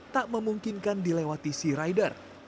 tak memungkinkan dilewati sea rider